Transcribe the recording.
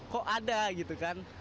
kok ada gitu kan